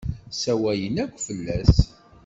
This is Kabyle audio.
Ssawalen akk fell-as.